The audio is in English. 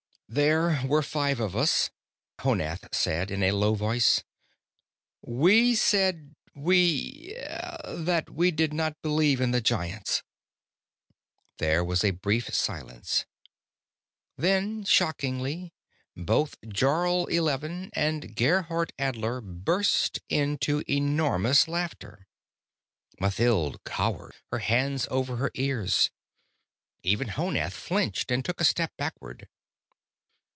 "There were five of us," Honath said in a low voice. "We said we that we did not believe in the Giants." There was a brief silence. Then, shockingly, both Jarl Eleven and Gerhardt Adler burst into enormous laughter. Mathild cowered, her hands over her ears. Even Honath flinched and took a step backward.